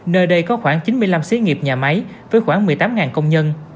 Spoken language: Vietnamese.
nơi đây có khoảng chín mươi năm xí nghiệp nhà máy với khoảng một mươi tám công nhân